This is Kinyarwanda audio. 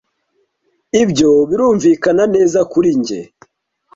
Ibyo birumvikana neza kuri njye.